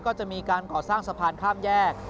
ก็จะมีการก่อสร้างสะพานข้ามแยก